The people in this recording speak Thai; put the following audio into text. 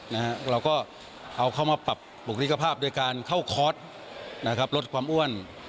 เราก็เอาเขามาปรับบุคลิกภาพโดยการเข้าคอร์ตลดความอ้วน